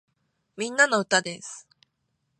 みんなの歌です